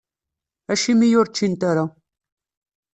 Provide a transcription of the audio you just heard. Acimi ur ččint ara?